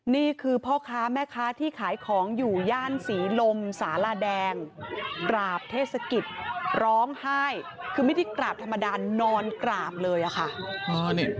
นี่คือพ่อค้าแม่ค้าที่ขายของอยู่ย่านศรีลมสาลาแดงกราบเทศกิจร้องไห้คือไม่ได้กราบธรรมดานอนกราบเลยอะค่ะ